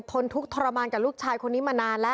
ทนทุกข์ทรมานกับลูกชายี่มันนานแล้ว